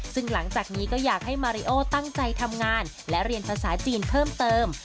ซึ่งหลังจากนี้ก็อยากให้มาริโอตั้งใจทำงานและเรียนภาษาจีนเพิ่มเติม